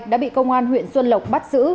đã bị công an huyện xuân lộc bắt giữ